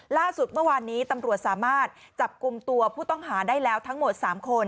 ล่าสุดเมื่อวานนี้ตำรวจสามารถจับกลุ่มตัวผู้ต้องหาได้แล้วทั้งหมด๓คน